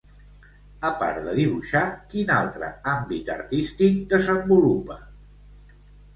A part de dibuixar, quin altre àmbit artístic desenvolupa?